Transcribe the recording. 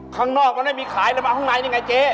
ข้างนอกมันไม่มีขายเลยมาข้างในนี่ไงเจ๊